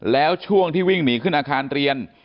แล้วช่วงที่วิ่งหนีขึ้นอาคารเรียน